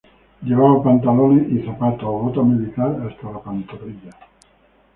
Llevaba pantalones y zapato o bota militar hasta la pantorrilla.